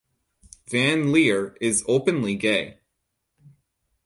Van Leer is openly gay.